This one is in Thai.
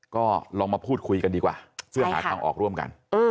ก็ลองมาพูดคุยกันดีกว่าเพื่อหาทางออกร่วมกัน